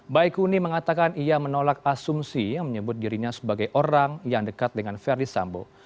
baikuni mengatakan ia menolak asumsi yang menyebut dirinya sebagai orang yang dekat dengan verdi sambo